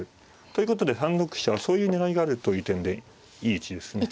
ということで３六飛車はそういう狙いがあるという点でいい位置ですね。